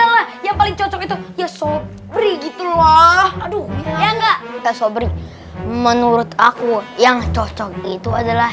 kak yang paling cocok itu ya sobring itulah aduh ya nggak menurut aku yang cocok itu adalah